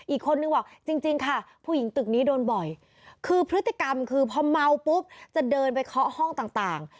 อีกคนนึงบอกจริงค่ะผู้หญิงตึกนี้โดนบ่อยคือพฤติกรรมคือพอเมาปุ๊บจะเดินไปเคาะห้องต่าง